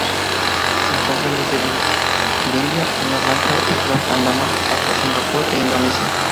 Se encuentra desde el India, Sri Lanka y Islas Andamán hasta Singapur e Indonesia.